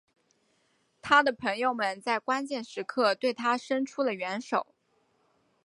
他的朋友们在关键时刻对他生出了援手。